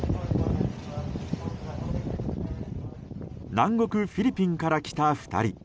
南国フィリピンから来た２人。